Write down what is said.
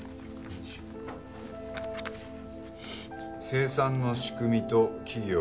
「生産の仕組みと企業」